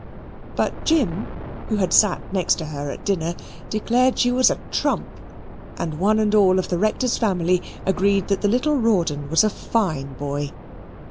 But Jim, who had sat next to her at dinner, declared she was a trump, and one and all of the Rector's family agreed that the little Rawdon was a fine boy.